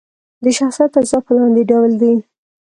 د شخصیت اجزا په لاندې ډول دي: